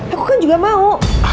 aku kan juga mau